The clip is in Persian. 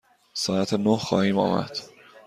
ساعت نه خواهیم آمد.